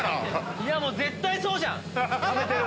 いやもう絶対そうじゃん。ためてる。